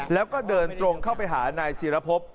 แล้วก็เดินตรงเข้าไปหานายศิรพบ